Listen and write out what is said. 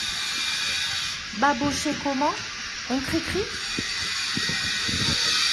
Babochet Comment, on cricri ?